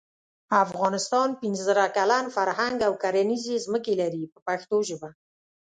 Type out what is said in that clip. افغانستان پنځه زره کلن فرهنګ او کرنیزې ځمکې لري په پښتو ژبه.